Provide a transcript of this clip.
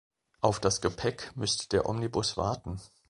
Auf das Gepäck müsste der Omnibus warten.